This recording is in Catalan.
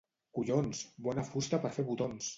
—Collons! —Bona fusta per fer botons!